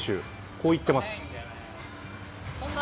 こう言ってます。